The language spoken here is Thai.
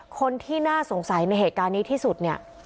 คนที่น่าสงสัยในเหตุการณ์นี้ที่สุดเนี่ย